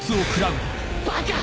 バカ！